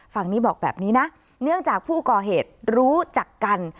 ฝั่งนี้บอกแบบนี้นะเนื่องจากผู้ก่อเหตุรู้จักกัน